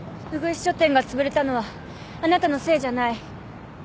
ウグイス書店がつぶれたのはあなたのせいじゃない。